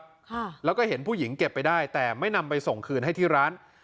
ค่ะแล้วก็เห็นผู้หญิงเก็บไปได้แต่ไม่นำไปส่งคืนให้ที่ร้าน